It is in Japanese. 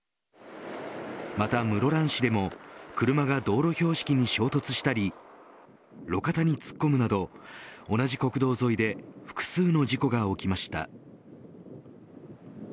また室蘭市でも車が道路標識に衝突したり路肩に突っ込むなど同じ国道沿いで複数の事故が起きました。